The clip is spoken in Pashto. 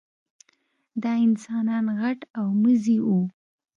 دا انسانان غټ او مزي وو.